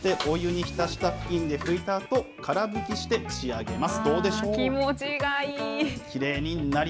そして、お湯に浸した布巾で拭いたあと、乾拭きして仕上げます。